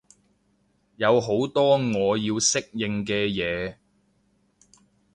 有好多我要適應嘅嘢